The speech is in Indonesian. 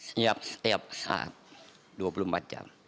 setiap saat dua puluh empat jam